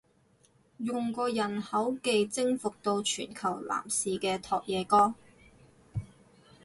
用過人口技征服到全球男士嘅拓也哥！？